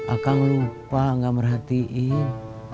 ah kang lupa enggak merhatiin